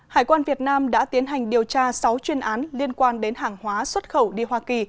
hải quan việt nam đã tiến hành điều tra sáu chuyên án liên quan đến hàng hóa xuất khẩu đi hoa kỳ